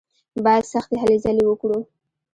بايد سختې هلې ځلې وکړو.